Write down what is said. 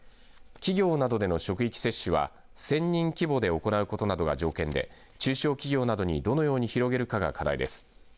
企業などでの職域接種は１０００人規模で行うことなどが条件で中小企業などにどのように広げるかが課題です。